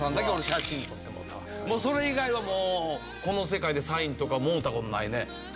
それ以外はこの世界でサインとかもろうたことないね。